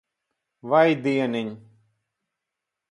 Vai dieniņ.